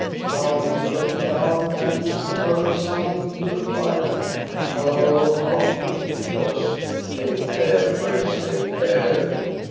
Now he is bending down and is throwing something into the fire. Oh, how wicked he looks ! Take care, friends, take care